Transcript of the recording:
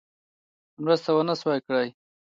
مرسته ونه سوه کړای.